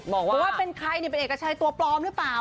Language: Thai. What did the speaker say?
บอกว่าเป็นใครเป็นเอกชัยตัวปลอมหรือเปล่า